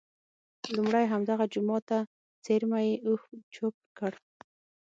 لومړی همدغه جوما ته څېرمه یې اوښ چوک کړ.